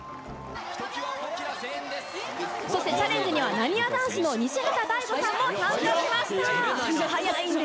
そしてチャレンジには、なにわ男子の西畑大吾さんも参加しました。